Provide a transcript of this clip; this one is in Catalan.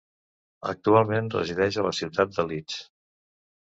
Actualment resideix a la ciutat de Leeds.